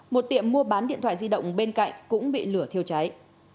một tiệm mua bán điện thoại di động bên cạnh cũng bị lửa thiêu cháy